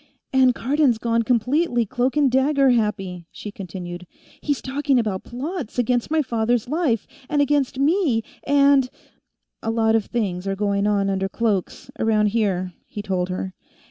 "And Cardon's gone completely cloak and dagger happy," she continued. "He's talking about plots against my father's life, and against me, and " "A lot of things are going on under cloaks, around here," he told her.